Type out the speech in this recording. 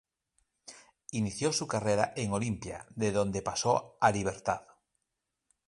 Inició su carrera en Olimpia de donde pasó a Libertad.